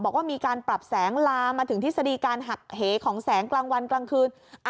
บอกว่ามีการปรับแสงลามาถึงทฤษฎีการหักเหของแสงกลางวันกลางคืน